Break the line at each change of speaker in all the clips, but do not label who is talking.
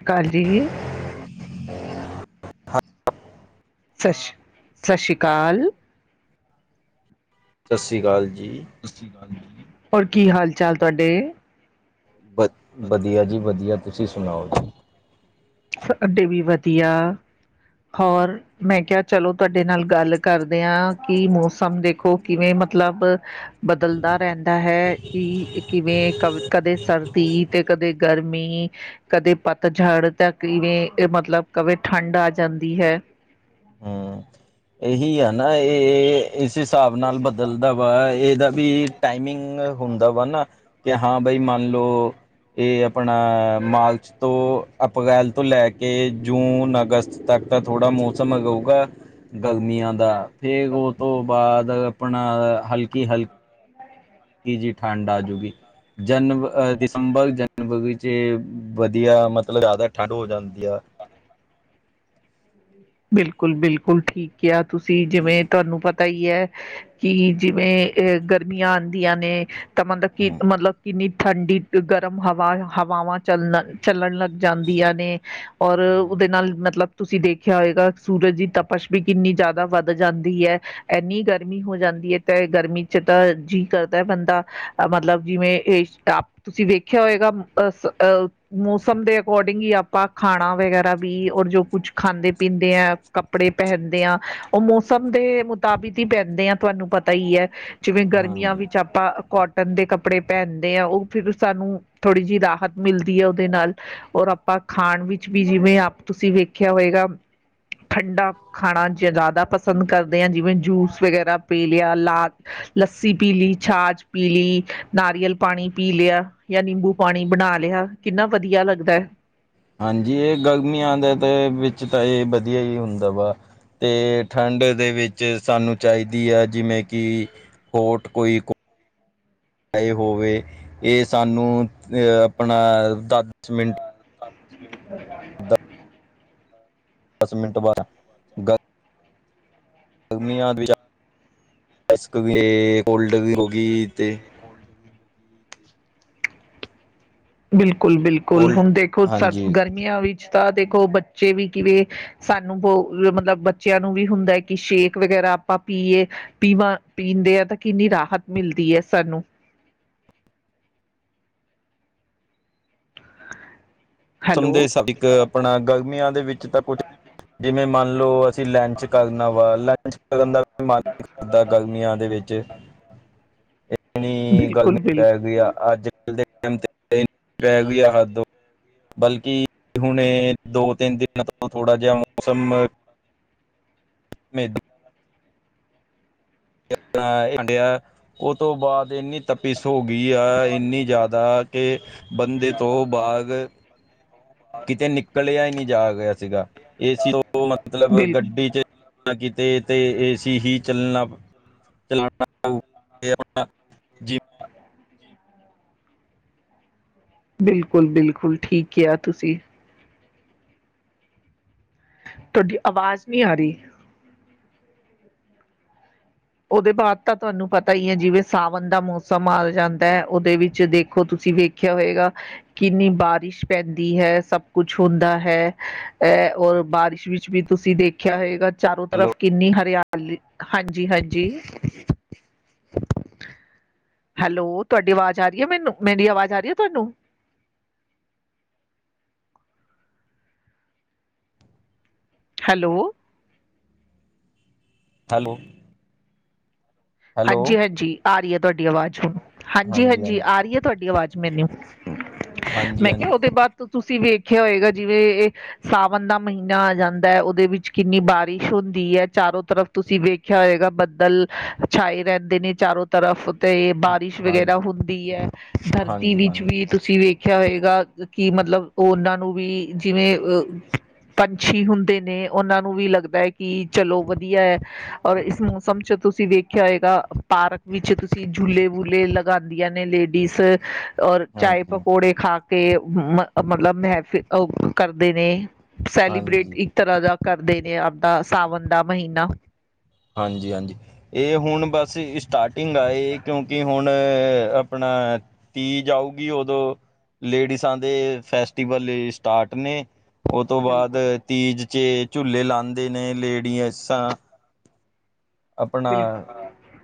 [inaudible] ਅਕਾਲ ਜੀ।
[inaudible] ਹਾਂ।
ਸਤ ਸ਼ ਸਤਿ ਸ਼੍ਰੀ ਅਕਾਲ।
ਸਤਿ ਸ੍ਰੀ ਅਕਾਲ ਜੀ।
ਸਤਿ ਸ਼੍ਰੀ ਅਕਾਲ ਜੀ। ਹੋਰ ਕੀ, ਹਾਲ-ਚਾਲ ਤੁਹਾਡੇ?
ਵਧੀਆ ਜੀ, ਵਧੀਆ। ਤੁਸੀਂ ਸੁਣਾਓ ਜੀ?
ਸਾਡੇ ਵੀ ਵਧੀਆ, ਹੋਰ ਮੈਂ ਕਿਹਾ ਚਲੋ ਤੁਹਾਡੇ ਨਾਲ ਗੱਲ ਕਰਦੇ ਆਂ, ਕਿ ਮੌਸਮ ਦੇਖੋ, ਕਿਵੇਂ ਮਤਲਬ ਬਦਲਦਾ ਰਹਿੰਦਾ ਹੈ, ਕਿ ਕਿਵੇਂ, ਕ ਕਦੇ ਸਰਦੀ, ਤੇ ਕਦੇ ਗਰਮੀ ਕਦੇ ਪਤਝੜ ਤਾਂ ਕਿਵੇਂ, ਮਤਲਬ ਕਵੇ ਠੰਡ ਆ ਜਾਂਦੀ ਹੈ।
ਹੂੰ, ਇਹੀ ਆ ਨਾ ਇਹ ਇਸ ਹਿਸਾਬ ਨਾਲ ਬਦਲਦਾ ਵਾ, ਇਹਦਾ ਵੀ ਟਾਈਮਿੰਗ ਹੁੰਦਾ ਵਾ ਨਾ, ਕਿ ਹਾਂ ਬਈ ਮੰਨਲੋ- ਇਹ ਆਪਣਾ ਮਾਰਚ ਤੋ ਅਪ੍ਰੈਲ ਤੋਂ ਲੈ ਕੇ ਜੂਨ- ਅਗਸਤ। ਤੱਕ ਤਾਂ ਥੋੜਾ ਮੌਸਮ ਅਗਾਊਗਾ ਗਰਮੀਆਂ ਦਾ, ਫੇਰ ਉਹ ਤੋਂ ਬਾਅਦ ਅਪਣਾ ਹਲਕੀ-ਹਲਕੀ ਕੀ ਜੀ ਠੰਡ ਆਜੂਗੀ। ਜਨ, ਦਿਸੰਬਰ, ਜਨਵਰੀ'ਚੇ ਵਧੀਆ, ਮਤਲਬ ਜ਼ਿਆਦਾ ਠੰਡ ਹੋ ਜਾਂਦੀ ਆ।
ਬਿਲਕੁਲ-ਬਿਲਕੁਲ ਠੀਕ ਕਿਆ ਤੁਸੀ, ਜਿਵੇਂ ਤੁਹਾਨੂੰ ਪਤਾ ਈ ਐ ਕਿ ਜਿਵੇਂ ਅ, ਗਰਮੀਆਂ ਆਂਦੀਆਂ ਨੇ, ਤਾਂ ਮਤਲਬ ਕਿ, ਮਤਲਬ ਕਿੰਨੀ ਠੰਡੀ ਗਰਮ ਹਵਾ, ਹਵਾਵਾਂ ਚੱਲਨ-ਚੱਲਣ ਲੱਗ ਜਾਂਦੀਆਂ ਨੇ, ਔਰ ਉਹਦੇ
ਹਾਂਜੀ।
ਨਾਲ ਮਤਲਬ ਤੁਸੀਂ ਦੇਖ ਖਿਆ ਹੋਇਗਾ, ਸੂਰਜ ਦੀ ਤਪਸ਼ ਵੀ ਕਿੰਨੀ ਜ਼ਿਆਦਾ ਵੱਧ ਜਾਂਦੀ ਐ। ਐਨੀ ਗਰਮੀ ਹੋ ਜਾਂਦੀ ਏ, ਤੇ ਗਰਮੀ'ਚ ਤਾ ਜੀਅ ਕਰਦਾ ਬੰਦਾ ਮਤਲਬ ਜਿਵੇਂ, ਇਹ ਸਭ ਤੁਸੀਂ ਵੇਖਿਆ ਹੋਇਗਾ, ਅਹ ਮੋਸਮ ਦੇ ਅਕੋਰਡਿੰਗ ਹੀ ਆਪਾਂ ਖਾਣਾ ਵਗੈਰਾ ਬੀ, ਔਰ ਜੋ ਕੁੱਛ ਖਾਂਦੇ ਪੀਂਦੇ ਆਂ, ਕੱਪੜੇ ਪਹਿਨਦੇ ਆਂ, ਉਹ ਮੌਸਮ ਦੇ ਮੁਤਾਬਿਕ ਹੀ ਪਹਿਨਦੇ ਆ, ਤੁਹਾਨੂੰ ਪਤਾ ਹੀਹੈ, ਅ ਬ ਜਿਵੇਂ ਗਰਮੀਆਂ ਵਿੱਚ ਆਪਾ ਕੌਟਨ ਦੇ ਕੱਪੜੇ ਪਹਿਨਦੇ ਹਾਂ, ਉਹ ਫਿਰ ਸਾਨੂੰ ਥੋੜ੍ਹੀ ਜਿਹੀ ਰਾਹਤ ਮਿਲਦੀ ਐ ਉਹਦੇ ਨਾਲ। ਔਰ ਆਪਾ ਖਾਣ ਵਿੱਚ ਵੀ ਜਿਵੇਂ, ਆਪ ਤੁਸੀਂ ਵੇਖਿਆ ਹੋਇਗਾ। ਠੰਡਾ ਖਾਣਾ ਜ ਜ਼ਿਆਦਾ ਪਸੰਦ ਕਰਦੇ ਆ, ਜਿਵੇਂ ਜੂਸ ਵਗੈਰਾ ਪੀਲਿਆ ਲਾ ਲੱਸੀ ਪੀਲੀ, ਛਾਛ ਪੀਲੀ, ਨਾਰੀਅਲ ਪਾਣੀ ਪੀਲਿਆ। ਯਾ ਨਿੰਬੂ ਪਾਣੀ ਬਣਾਲਿਆ, ਕਿੰਨਾ ਵਧੀਆ ਲੱਗਦੈ।
ਹਾਂਜੀ, ਇਹ ਗਰਮੀਆਂ, ਦੇ ਤੇ ਵਿੱਚ ਤਾ ਇਹ ਵਧੀਆ ਹੀ ਹੁੰਦਾ ਵਾ। 'ਤੇ ਠੰਡ ਦੇ ਵਿੱਚ ਸਾਨੂੰ ਚਾਈਦੀ ਆ, ਜਿਵੇਂ ਕਿ ਕੋਟ, ਕੋਈ ਕੋ ਹੋਵੇ ਇਹ ਸਾਨੂੰ ਅ, ਆਪਣਾ ਦਸ ਮਿੰਟ
ਹਾਂਜੀ। [unintelligible]
ਦਸ ਮਿੰਟ, ਬਾਰਾ ਗਲ ਗਰਮੀਆਂ'ਚ ਨੇਸਕਵੇ, ਕੋਲਡ ਵੀ ਹੋ ਗਈ ਤੇ
ਬਿਲਕੁੱਲ-ਬਿਲਕੁੱਲ,
ਕੋਲਡ
ਹੁਣ ਦੇਖੋ ਸਾ
ਹਾਂਜੀ।
ਗਰਮੀਆਂ ਵਿੱਚ ਤਾ ਦੇਖੋ, ਬੱਚੇ ਵੀ ਕਿਵੇਂ ਸਾਨੂੰ ਬਹੁ, ਮਤਲਬ ਬੱਚਿਆਂ ਨੂੰ ਵੀ ਹੁੰਦਾ ਕਿ ਸ਼ੇਕ ਵਗੈਰਾ ਆਪਾ ਪੀਏ। ਪੀਵਾਂ, ਪੀਂਦੇ ਆ ਤਾਂ ਕਿੰਨੀ ਰਾਹਤ ਮਿਲਦੀ ਹੈ, ਸਾਨੂੰ।
ਸਮ ਦੇ [inaudible]
ਹੈਲੋ।
ਹਿਸਾਬ ਇੱਕ ਆਪਣਾ ਗਰਮੀਆਂ ਦੇ ਵਿੱਚ ਤਾਂ ਕੁਝ ਜਿਵੇਂ ਮੰਨਲੋ ਅਸੀ ਲੇਂਚ ਕਰਨਾ ਵਾ, ਲੰਚ ਕਰਨ ਦਾ ਵੀ ਮਨ ਨੀ ਕਰਦਾ, ਗਰਮੀਆਂ ਦੇ ਵਿੱਚ। ਇਨੀ ਗਰਮੀ
ਬਿਲਕੁਲ ਬਿਲ
ਪੈ ਗਈ ਆ ਅੱਜ-ਕੱਲ ਦੇ [inaudible] ਟਾਇਮ ਤੇ [inaudible] ਹੱਦ ਬਲਕਿ ਹੁਣੇ, ਦੋ-ਤਿੰਨ ਦਿਨਾਂ ਤੋਂ ਥੋੜਾ ਜਿਹਾ ਮੌਸਮ ਆਪਣਾ ਖਾ ਆਂਡੇਆ ਉਹ ਤੋਂ ਬਾਅਦ ਇੰਨੀ ਤਪੀਸ ਹੋਗੀ ਆ, ਇੰਨੀ ਜ਼ਿਆਦਾ, ਕਿ ਬੰਦੇ ਤੋਂ ਬਾਅਦ, ਕਿਤੇ ਨਿਕਲਿਆ ਹੀ ਨਹੀਂ ਜਾ ਗਿਆ ਸੀਗਾ। ਏਸੀ ਤੋਂ ਮਤਲਬ,
ਬਿਲ
ਗੱਡੀ'ਚ ਕੀਤੇ ਤੇ ਏਸੀ ਹੀ ਚੱਲਣਾ ਚਲਾਣਾ ਆਪਣਾ [unintelligible] ਜਿਵੇਂ
ਬਿਲਕੁਲ-ਬਿਲਕੁਲ, ਠੀਕ ਕਿਹਾ ਤੁਸੀ। ਤੁਹਾਡੀ ਆਵਾਜ਼ ਨੀ ਆ ਰਈ। ਉਹਦੇ ਬਾਅਦ ਤਾਂ ਤੁਹਾਨੂੰ ਪਤਾ ਈ ਐ, ਜਿਵੇਂ ਸਾਵਣ ਦਾ ਮੌਸਮ ਆ ਜਾਂਦਾ, ਉਹਦੇ ਵਿੱਚ ਦੇਖੋ ਤੁਸੀਂ ਵੇਖ ਦੇਖਿਆ ਹੋਏਗਾ ਕਿੰਨੀ ਬਾਰਿਸ਼ ਪੈਂਦੀ ਹੈ, ਸਭ ਕੁਛ ਹੁੰਦਾ ਹੈ। ਐ ਔਰ ਬਾਰਿਸ਼ ਵਿੱਚ ਵੀ ਤੁਸੀਂ ਦੇਖਿਆ ਹੋਏਗਾ। ਚਾਰੋ
ਹੈਲੋ
ਤਰਫ ਕਿੰਨੀ ਹਰਿਆਲੀ, ਹਾਂਜੀ-ਹਾਂਜੀ। ਹੈਲੋ, ਤੁਹਾਡੀ ਆਵਾਜ਼ ਆ ਰਹੀ ਏ ਮੈਨੂੰ, ਮੇਰੀ ਆਵਾਜ਼ ਆ ਰਹੀ ਏ ਤੁਹਾਨੂੰ। ਹੈਲੋ,
ਹੈਲੋ, ਹੈਲੋ
ਹਾਂਜੀ-ਹਾਂਜੀ, ਆ ਰਈ ਐ ਤੁਹਾਡੀ ਆਵਾਜ਼ ਹੁਣ,
ਹਾਂਜੀ
ਹਾਂਜੀ-ਹਾਂਜੀ,
ਹਾਂਜੀ
ਆ ਰਈ ਐ ਤੁਹਾਡੀ ਆਵਾਜ਼ ਮੈਨੂੰ।
ਹਾਂਜੀ
ਮੈਂ ਕਿਹਾ
ਹਾਂਜੀ
ਉਹਦੇ ਬਾਅਦ ਤੁਸੀਂ ਵੇਖਿਆ ਹੋਏਗਾ, ਜਿਵੇਂ ਇਹ ਸਾਵਣ ਦਾ ਮਹੀਨਾ ਆ ਜਾਂਦਾ ਐ, ਉਹਦੇ ਵਿੱਚ ਕਿੰਨੀ ਬਾਰਿਸ਼ ਹੁੰਦੀ ਐ ਚਾਰੋ ਤਰਫ। ਤੁਸੀਂ ਵੇਖਿਆ ਹੋਏਗਾ, ਬੱਦਲ ਛਾਏ ਰਹਿੰਦੇ ਨੇ ਚਾਰੋਂ ਤਰਫ ਤੇ ਬਾਰਿਸ਼
ਹਾਂਜੀ
ਵਗੈਰਾ ਹੁੰਦੀ ਐ, ਧਰਤੀ
ਹਾਂਜੀ
ਵਿੱਚ ਵੀ ਤੁਸੀਂ ਵੇਖ ਵੇਖਿਆ ਹੋਏਗਾ ਕਿ ਮਤਲਬ ਉਹਨਾਂ ਨੂੰ ਵੀ ਜਿਵੇਂ ਅ ਪੰਛੀ ਹੁੰਦੇ ਨੇ, ਉਹਨਾਂ ਨੂੰ ਵੀ ਲੱਗਦਾ ਕਿ ਚਲੋ ਵਧੀਆ। ਔਰ ਇਸ ਮੌਸਮ ਚ ਤੁਸੀਂ ਵੇਖਿਆ ਹੋਏਗਾ, ਪਾਰਕ ਵਿੱਚ ਤੁਸੀਂ ਝੂਲੇ ਵੂਲੇ ਲੱ ਗਾਂਦੀਆਂ ਨੇ ਲੇਡੀਜ਼, ਔਰ ਚਾਏ
ਹਾਂਜੀ ਹਾਂਜੀ
ਪਕੌੜੇ ਖਾ ਤੇ ਮ ਮਤਲਬ ਮੈ ਫਿਰ ਉਹ ਕਰਦੇ ਨੇ
ਹਾਂਜੀ
ਸੈਲੀਬ੍ਰੇਟ ਤਰਾਜਾ ਕਰਦੇ ਨੇ, ਆਪਦਾ ਸਾਵਣ ਦਾ ਮਹੀਨਾ।
ਹਾਂਜੀ-ਹਾਂਜੀ। ਇਹ ਹੁਣ ਬਸ ਸਟਾਟਿੰਗ ਆ ਏ, ਕਿਉਂਕਿ ਹੁਣ ਆਪਣਾ ਤੀਜ ਆਊਗੀ, ਉਦੋਂ ਲੇਡੀਜ਼ਾਂ ਦੇ ਫੈਸਟੀਵਲ ਸਟਾਟ ਨੇ। ਉਹ ਤੋਂ ਬਾਅਦ
ਬਿਲਕੁਲ
ਤੀਜ ਚ ਝੂਲੇ ਲਾਂਦੇ ਨੇ ਲੇਡੀਐਸਾਂ। ਆਪਣਾ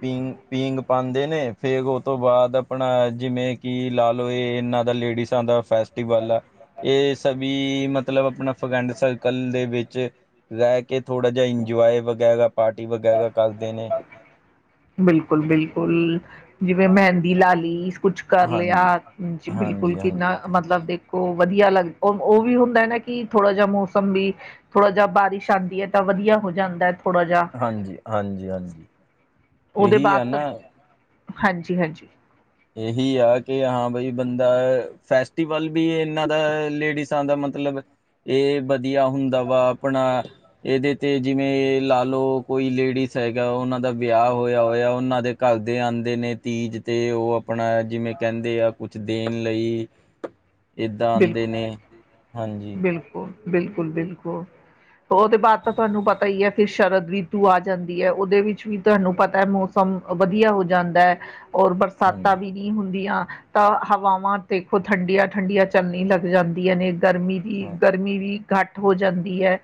ਪੀਂਗ-ਪੀਂਗ ਪਾਂਦੇ ਨੇ, ਫੇਰ ਉਹ ਤੋਂ ਬਾਅਦ ਆਪਣਾ ਜਿਵੇਂ ਕਿ ਲਾ ਲੋ ਇਹ ਇਹਨਾਂ ਦਾ ਲੇਡੀਜ਼ ਜਾਂ ਦਾ ਫੈਸਟੀਵਲ ਆ। ਇਹ ਸਭੀ ਮਤਲਬ ਆਪਣਾ ਫਰੈਂਡ ਸਰਕਲ ਦੇ ਵਿੱਚ ਰਹਿ ਕੇ ਥੋੜਾ ਜਾ ਇੰਜੋਏ ਵਗੈਰਾ, ਪਾਰਟੀ ਵਗੈਰਾ ਕਰਦੇ ਨੇ।
ਬਿਲਕੁਲ-ਬਿਲਕੁਲ, ਜਿਵੇਂ ਮਹਿੰਦੀ ਲਾਲੀ। ਕੁਛ ਕਰ ਲਿਆ,
ਹਾਂਜੀ,
ਜੀ ਬਿਲਕੁਲ
ਹਾਂਜੀ, ਹਾਂਜੀ,
ਕਿੰਨਾ ਮਤਲਬ ਦੇਖ ਖੋ ਵਧੀਆ ਲੱਗ ਉਹ ਵੀ ਹੁੰਦਾ ਨਾ ਕਿ ਥੋੜਾ ਜਾ ਮੌਸਮ ਵੀ ਥੋੜ੍ਹਾ ਜੀ ਬਾਰਿਸ਼ ਆਂਦੀ ਐ, ਤਾਂ ਵਧੀਆ ਹੋ ਜਾਂਦਾ ਥੋੜ੍ਹਾ ਜਾ।
ਹਾਂਜੀ-ਹਾਂਜੀ-ਹਾਂਜੀ।
ਉਹਦੇ ਬਾਅਦ ਤਾਂ, ਹਾਂਜੀ-ਹਾਂਜੀ।
ਇਹੀ ਆ ਕਿ ਹਾਂ ਬਾਈ ਬੰਦਾ ਫੈਸਟੀਵਲ ਵੀ ਇਹਨਾਂ ਦਾ ਲੇਡੀਸਾਂ ਦਾ ਮਤਲਬ ਇਹ ਵਧੀਆ ਹੁੰਦਾ ਵਾ ਆਪਣਾ। ਇਹਦੇ ਤੇ ਜਿਵੇਂ ਇਹ ਲਾ ਲੋ ਕੋਈ ਲੇਡੀਜ਼ ਹੈਗਾ, ਉਹਨਾਂ ਦਾ ਵਿਆਹ ਹੋਇਆ-ਹੋਇਆ, ਉਹਨਾਂ ਦੇ ਘਰਦੇ ਆਂਦੇ ਨੇ ਤੀਜ ਤੇ, ਉਹ ਆਪ ਬਣਾਇਆ ਜਿਵੇਂ ਕਹਿੰਦੇ ਆ ਕੁਛ ਦੇਣ ਲਈ। ਏਦਾਂ ਆਂਦੇ ਨੇ ਹਾਂਜੀ।
ਬਿਲਕੁਲ-ਬਿਲਕੁਲ। ਉਹਦੇ ਬਾਅਦ ਤਾਂ ਤੁਹਾਨੂੰ ਪਤਾ ਈ ਐ ਫਿਰ ਸ਼ਰਦ ਰੀਤੂ ਆ ਜਾਂਦੀ ਐ, ਉਹਦੇ ਵਿੱਚ ਵੀ ਤੁਹਾਨੂੰ ਪਤਾ ਐ ਮੋਸ ਮ ਵਧੀਆ ਹੋ ਜਾਂਦਾ ਐ, ਔਰ ਬਰ ਸਾਤਾਂ
ਹਾਂਜੀ,
ਵੀ ਨਹੀਂ ਹੁੰਦੀਆਂ, ਤਾਂ ਹਵਾਵਾਂ ਦੇਖੋ ਠੰਡੀਆਂ-ਠੰਡੀਆਂ ਚੱਲਣੀ ਲੱਗ ਜਾਂਦੀਆਂ ਨੇ, ਗਰਮੀ ਦੀ
ਹਾਂ
ਗਰਮੀ ਵੀ ਘੱਟ ਹੋ ਜਾਂਦੀ ਐ।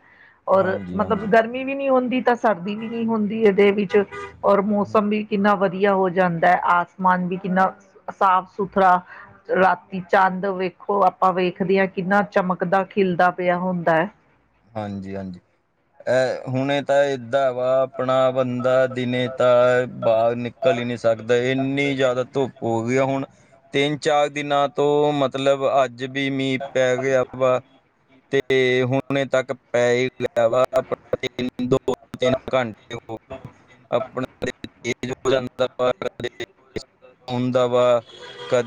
ਔਰ
ਹਾਂਜੀ,
ਮਤਲਬ
ਹਾਂਜੀ,
ਗਰਮੀ ਵੀ ਨੀ ਹੁੰਦੀ, ਤਾਂ ਸਰਦੀ ਵੀ ਨਹੀਂ ਹੁੰਦੀ ਇਹਦੇ ਵਿੱਚ। ਔਰ ਮੌਸਮ ਵੀ ਕਿੰਨਾ ਵਧੀਆ ਹੋ ਜਾਂਦਾ, ਆਸਮਾਨ ਵੀ ਕਿੰਨਾ ਸਾਫ-ਸੁਥਰਾ ਰਾਤੀ ਚੰਦ ਵੇਖ ਖੋ ਆਪਾਂ ਵੇਖਦੇ ਆ, ਕਿੰਨਾ ਚਮਕਦਾ ਖਿਲਦਾ ਪਿਆ ਹੁੰਦਾ ਐ।
ਹਾਂਜੀ-ਹਾਂਜੀ, ਅ ਹੁਣੇ ਤਾਂ ਏਦਾਂ ਵਾ ਆਪਣਾ ਬੰਦਾ ਦਿਨੇ ਤਾਂ ਬਾਹਰ ਨਿਕ ਘਲੀ ਨਹੀਂ ਸਕਦਾ ਇੰਨੀ ਜ਼ਿਆਦਾ ਧੁੱਪ ਹੋ ਗਈ ਆ ਹੁਣ। ਤਿੰਨ- ਚਾਰ ਦਿਨਾਂ ਤੋਂ ਮਤਲਬ ਅੱਜ ੱ ਵੀ ਮੀਂਹ ਪੈ ਗਿਆ ਵਾ, ਤੇ ਹੁਣ ਹਣੇ ਤੱਕ ਪੈ ਲਿਆ ਵਾ ਦੋ- ਤਿੰਨ ਘੰਟੇ [unintelligible] ਤੇਜ਼ ਹੋ ਜਾਂਦਾ ਵਾ ਕਦੇ ਹੁੰਦਾ ਵਾ ਕਦੇ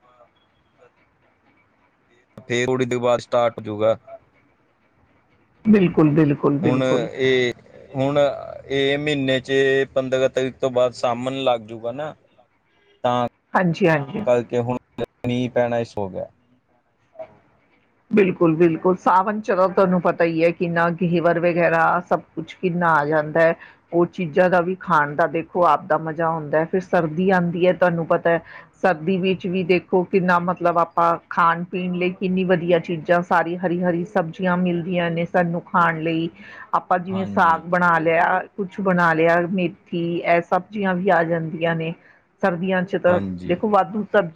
ਫੇਰ ਥੋੜੀ ਦੇਰ ਬਾਅਦ ਸਟਾਰਟ ਹੋਜੂਗਾ।
ਬਿਲਕੁਲ ਬਿਲਕੁਲ
ਹੁਣ
ਬਿਲਕੁਲ
ਇਹ, ਹੁਣ ਇਹ ਮ੍ਹੀਨੇ 'ਚ ਪੰਦਰਾਂ ਤਰੀਕ ਤੋਂ ਬਾਅਦ ਸਾਮਣ ਲੱਗ ਜੂਗਾ ਨਾ। ਤਾਂ
ਹਾਂਜੀ-ਹਾਂਜੀ।
ਕਲ ਕੇ ਹੁਣ ਮੀਂਹ ਪੈਣਾ ਸੋ ਗਿਆ।
ਬਿਲਕੁੱਲ-ਬਿਲਕੁੱਲ ਸਾਵਨ ਚਰੋ ਤੁਹਾਨੂੰ ਪਤਾ ਈ ਐ ਕਿੰਨਾ ਗਹੇਵਰ ਵਗੈਰਾ ਸਭ ਕੁਛ ਕਿੰਨਾ ਆ ਜਾਂਦਾ ਹੈ। ਉਹ ਚੀਜ਼ਾਂ ਦਾ ਵੀ ਖਾਣ ਦਾ ਦੇਖੋ, ਆਪਦਾ ਮਜ਼ਾ ਆਉਦਾ ਫਿਰ ਸਰਦੀ ਆਂਦੀ ਐ ਤੁਹਾਨੂੰ ਪਤਾ ਐ ਸਰਦੀ ਵਿੱਚ ਵੀ ਦੇਖੋ ਕਿੰਨਾ ਮਤਲਬ ਆਪਾਂ ਖਾਣ ਪੀਣ ਲਈ ਕਿੰਨੀ ਵਧੀਆ ਦੀਆਂ ਚੀਜ਼ਾਂ ਸਾਰੀ ਹਰੀ-ਹਰੀ ਸਬਜ਼ੀਆਂ ਮਿਲਦੀਆਂ ਨੇ ਸਾਨੂੰ ਖਾਣ ਲਈ। ਆਪਾਂ ਜਿਵੇਂ
ਹਾਂਜੀ।
ਸਾਗ ਬਣਾ ਲਿਆ। ਕੁਛ, ਬਣਾ ਲਿਆ ਮੇਥੀ ਇਹ ਸਬਜ਼ੀਆਂ ਵੀ ਆ ਜਾਂਦੀਆਂ ਨੇ ਸਰਦੀਆਂ ਤਾਂ
ਹਾਂਜੀ,
ਦੇਖੋ ਵਾਧੂ ਸਬ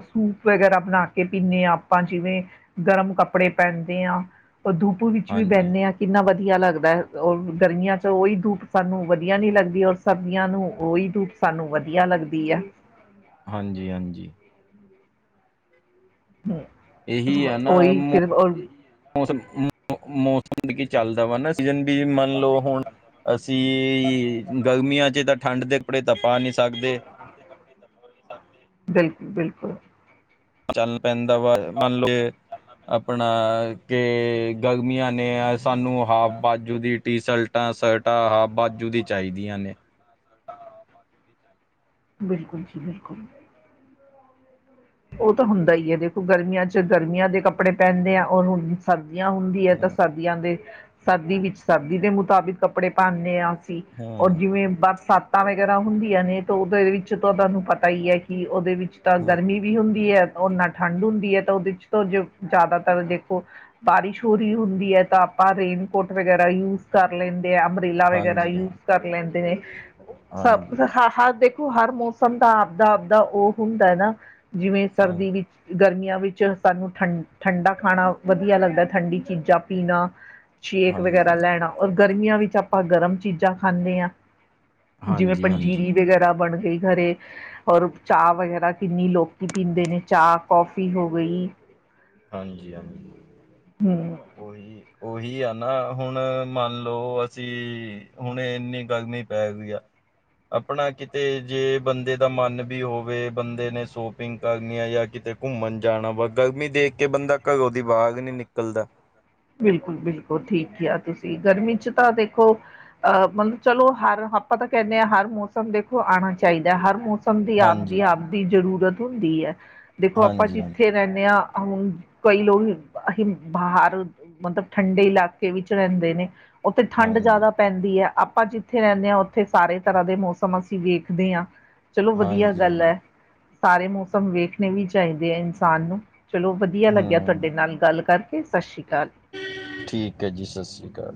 ਸੂਪ ਵਗੈਰਾ ਬਣਾ ਕੇ ਪੀਂਨੇ ਆ ਆਪਾਂ ਜਿਵੇਂ ਗਰਮ ਕੱਪੜੇ ਪਹਿਨਦੇ ਆਾਂ ਉਹ ਧੂਪੂ ਵਿੱਚ ਵੀ
ਹਾਂਜੀ,
ਬਹਿੰਦੇ ਹਾਂ। ਕਿੰਨਾ ਵਧੀਆ ਲੱਗਦਾ ਔਰ ਗਰਮੀਆਂ 'ਚੋਂ ਉਹੀ ਧੂਪ ਸਾਨੂੰ ਵਧੀਆ ਨੀ ਲੱਗਦੀ ਔਰ ਸਬਜ਼ੀਆਂ ਨੂੰ ਉਹੀ ਧੂੱਪ ਸਾਨੂੰ ਵਧੀਆ ਲੱਗਦੀ ਹੈ।
ਹਾਂਜੀ-ਹਾਂਜੀ। ਇਹੀ
[inaudible]
ਆ ਨਾ
ਓਹੀ ਫਿਰ,
ਮੌਸਮ -ਮੌਸਮ ਕੀ ਚੱਲਦਾ ਵਾ ਨਾ ਸੀਜਨ ਵੀ ਮੰਨ ਲਓ ਹੁਣ ਅਸੀਂ ਗਰਮੀਆਂ 'ਚ ਤਾਂ ਠੰਡ ਦੇ ਕੱਪੜੇ ਤਾਂ ਪਾ ਨਹੀਂ ਸਕਦੇ।
ਬਿਲਕੁਲ-ਬਿਲਕੁਲ।
ਚੱਲ ਪੈਂਦਾ ਵਾ। ਮੰਨ ਲਓ ਆਪਣਾ ਕਿ, ਗਰਮੀਆਂ ਨੇ ਸਾਨੂੰ ਹਾਫ ਬਾਜੂ ਦੀ ਟੀ ਸ਼ਲਰਟਾਂ ਸਰਟਾਂ ਹਾਫ ਬਾਜੂ ਦੀਆਂ ਚਾਹੀਦੀਆਂ ਨੇ।
ਬਿਲਕੁਲ ਜੀ ਬਿਲਕੁਲ। ਉਹ ਤਾਂ ਹੁੰਦਾ ਹੀ ਹੈ, ਦੇਖੋ ਗਰਮੀਆਂ 'ਚ ਗਰਮੀਆਂ ਦੇ ਕੱਪੜੇ ਪਹਿਨਦੇ ਆਂ, ਉਹ ਹੁਣ ਸਰਦੀਆਂ ਹੁੰਦੀ ਹੈ ਤਾਂ
ਹੂੰ,
ਸਰਦੀਆਂ ਦੇ ਸਰਦੀ ਵਿੱਚ ਸਰਦੀ ਦੇ ਮੁਤਾਬਿਕ ਕੱਪੜੇ ਪਾਂਦੇ ਹਾਂ। ਔਰ
ਹੂੰ,
ਜਿਵੇਂ ਬਰ ਸੱਤ ਵਗੈਰਾ ਹੁੰਦੀਆਂ ਨੇ, ਤੇ ਉਹਦੇ ਵਿੱਚ ਤਾਂ ਤੁਹਾਨੂੰ ਪਤਾ ਹੀ ਹੈ ਕਿ ਉਹਦੇ ਵਿੱਚ ਤਾਂ ਗਰਮੀ ਵੀ ਹੁੰਦੀ ਹੈ, ਨਾ ਠੰਡ ਹੁੰਦੀ ਹੈ ਤਾਂ ਉਹਦੇ 'ਚ ਤਾਂ ਜੇ ਜ਼ਿਆਦਾਤਰ ਦੇਖੋ ਬਾਰਿਸ਼ ਹੋ ਰਹੀ ਹੁੰਦੀ ਹੈ ਤਾਂ, ਆਪਾਂ ਰੇਨਕੋਟ ਵਗੈਰਾ ਯੂਜ ਕਰ ਲੈਂਦੇ। ਅੰਬਰੇਲਾ ਵਗੈਰਾ
ਹਾਂਜੀ,
ਯੂਜ ਕਰ ਲੈਂਦੇ ਨੇ ਸ
ਹਾਂਜੀ,
ਹ ਹ ਦੇ ਓ ਹਰ ਮੌਸਮ ਦਾ ਆਵਦਾ-ਆਵਦਾ ਉਹ ਹੁੰਦਾ ਨਾ, ਜਿਵੇਂ
ਹਾਂਜੀ,
ਸਰਦੀ ਵਿੱਚ ਗਰਮੀਆਂ ਵਿੱਚ ਸਾਨੂੰ ਠੰ ਠੰਡਾ ਖਾਣਾ ਵਧੀਆ ਲੱਗਦਾ ਠੰਡੀ ਚੀਜ਼ਾਂ ਪੀਣਾ। ਸ਼ੇਕ ਵਗੈਰਾ
ਹਾਂਜੀ।
ਲੈਣਾ ਔਰ ਗਰਮੀਆਂ ਵਿੱਚ ਆਪਾਂ ਗਰਮ ਚੀਜ਼ਾਂ ਖਾਂਣੇ ਹਾਂ। ਜਿਵੇਂ
ਹਾਂਜੀ
ਪੰਜੀਰੀ
ਹਾਂਜੀ
ਵਗੈਰਾ ਬਣ ਗਈ ਘਰੇ ਔਰ, ਚਾਹ ਵਗੈਰਾ ਕਿੰਨੀ ਲੋਕ ਕੀ ਪੀਂਦੇ ਨੇ ਚਾਹ ਕੌਫੀ ਹੋ ਗਈ।
ਹਾਂਜੀ -ਹਾਂਜੀ
ਹਮ
[unintelligible] ਉਹੀ ਉਹੀ ਆ ਨਾ ਹੁਣ, ਮੰਨ ਲਓ ਅਸੀਂ ਹੁਣ ਇੰਨੀ ਗਰਮੀ ਪੈ ਗਈ ਆ। ਆਪਣਾ ਕਿਤੇ ਜੇ ਬੰਦੇ ਦਾ ਮਨ ਵੀ ਹੋਵੇ, ਬੰਦੇ ਨੇ ਸੋਪਿੰਗ ਕਰਨੀ ਹੈ ਜਾਂ ਕਿਤੇ ਘੁੰਮਣ ਜਾਣਾ ਵਾ। ਗਰਮੀ ਦੇਖ ਕੇ ਬੰਦਾ ਘਰੋਂ ਦੀ ਬਾਹਰ ਨੀ ਨਿਕਲਦਾ ਵਾ।
ਬਿਲਕੁਲ- ਬਿਲਕੁਲ ਠੀਕ ਆ, ਤੁਸੀਂ ਗਰਮੀ ਚ ਤਾਂ ਦੇਖੋ। ਅ ਮਤਲਬ ਚਲੋ, ਹਰ ਆਪਾਂ ਤਾਂ ਕਹਿੰਦੇ ਹਾਂ ਹਰ ਮੌਸਮ ਦੇਖੋ ਆਉਣਾ ਚਾਹੀਦਾ। ਹਰ ਮੌਸਮ ਸਭ ਦੀ ਆਪਦੀ
ਹਾਂਜੀ
ਆਪਦੀ ਜਰੂਰਤ ਹੁੰਦੀ ਏ ਦੇਖੋ ਆਪਾਂ
ਹਾਂਜੀ
ਜਿੱਥੇ
ਹਾਂਜੀ
ਰਹਿੰਦੇ। ਆਂ, ਹੁਣ ਕਈ ਲੋਕ ਅਸੀਂ ਬਾਹਰ ਮਤਲਬ ਠੰਡੇ ਇਲਾਕੇ ਵਿੱਚ ਰਹਿੰਦੇ ਨੇ ਉੱਥੇ ਠੰਡ
ਹਾਂਜੀ
ਜ਼ਿਆਦਾ ਪੈਂਦੀ ਹੈ ਆਪਾਂ ਜਿੱਥੇ ਰਹਿੰਦੇ ਹਾਂ ਉੱਥੇ ਸਾਰੇ ਤਰ੍ਹਾਂ ਦੇ ਮੌਸਮ ਅਸੀਂ ਵੇਖਦੇ ਹਾਂ। ਚਲੋ ਵਧੀਆ
ਹਾਂਜੀ
ਗੱਲ ਐ
ਹਾਂਜੀ
ਸਾਰੇ ਮੌਸਮ ਵੇਖਣੇ ਵੀ ਚਾਹੀਦੇ ਏ ਇਨਸਾਨ ਨੂੰ। ਚਲੋ ਵਧੀਆ ਲੱਗਿਆ
ਹਮ
ਤੁਹਾਡੇ ਨਾਲ ਗੱਲ ਕਰਕੇ ਸਤਿ ਸ਼੍ਰੀ ਅਕਾਲ।
ਠੀਕ ਹੈ ਜੀ। ਸਤਿ ਸ਼੍ਰੀ ਅਕਾਲ।